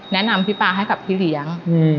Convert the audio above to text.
แนะนำพี่ป๊าให้กับพี่เลี้ยง